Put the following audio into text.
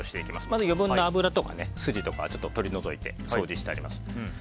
まず余分な脂とか筋を取り除いて掃除してあります。